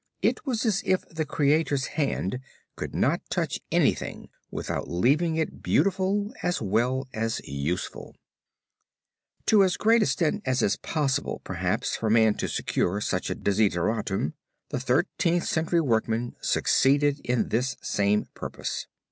It was as if the Creator's hand could not touch anything without leaving it beautiful as well as useful. {opp105} CATHEDRAL (AMIENS) To as great extent as it is possible perhaps for man to secure such a desideratum, the Thirteenth Century workman succeeded in this same purpose.